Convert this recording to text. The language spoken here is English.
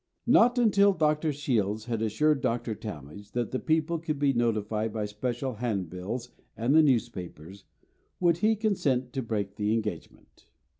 Not until Dr. Shields had assured Dr. Talmage that the people could be notified by special handbills and the newspapers would he consent to break the engagement.